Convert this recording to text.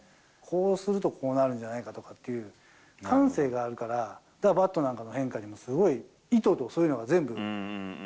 こうするとこうなるんじゃないかとかっていう、感性があるから、だからバットなんかの変化にも、すごい意図と、そういうのが全部。